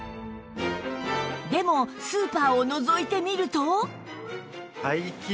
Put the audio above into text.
でもスーパーをのぞいてみると